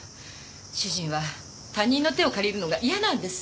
主人は他人の手を借りるのが嫌なんです。